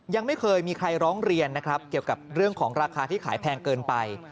ยังไม่เคยมีใครร้องเรียนนะครับเกี่ยวกับเรื่องของราคาที่ขายแพงเกินไป